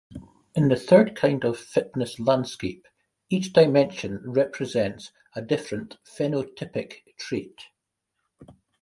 In the third kind of fitness landscape, each dimension represents a different phenotypic trait.